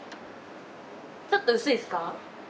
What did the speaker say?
ちょっと薄いっすか？